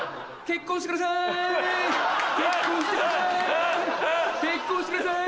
結婚してください！